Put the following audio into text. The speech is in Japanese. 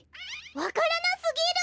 わからなすぎる！